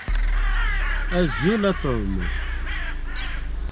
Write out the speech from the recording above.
Azul a Tom.